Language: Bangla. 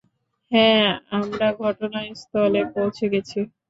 হ্যাঁ, আমরা ঘটনাস্থলে পৌছে গেছি।